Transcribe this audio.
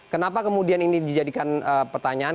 kenapa kemudian ini dijadikan pertanyaan